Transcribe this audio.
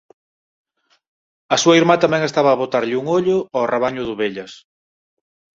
A súa irmá tamén estaba a botarlle un ollo ó rabaño de ovellas.